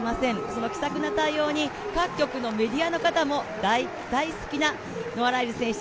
その気さくな対応に各局のメディアの方も大好きなノア・ライルズ選手。